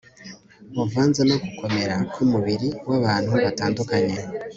buvanze no gukomera kumubiri wabantu batandukanye